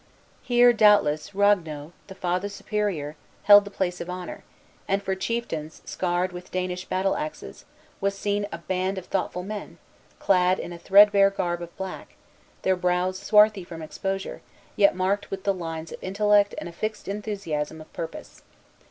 Here, doubtless, Ragueneau, the Father Superior, held the place of honor; and, for chieftains scarred with Danish battle axes, was seen a band of thoughtful men, clad in a threadbare garb of black, their brows swarthy from exposure, yet marked with the lines of intellect and a fixed enthusiasm of purpose.